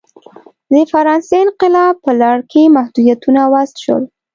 د فرانسې انقلاب په لړ کې محدودیتونه وضع شول.